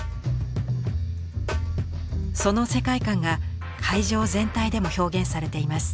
その世界観が会場全体でも表現されています。